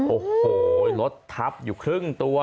โอ้โหรถทับอยู่ครึ่งตัว